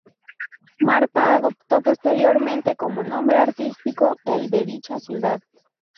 Martha adoptó posteriormente como nombre artístico el de dicha ciudad.